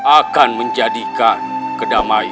akan menjadikan kedamaian